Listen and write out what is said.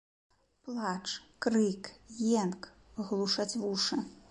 Плач, крык, енк глушаць вушы.